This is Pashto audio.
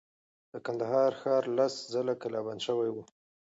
د کندهار ښار لس ځله کلا بند شوی و.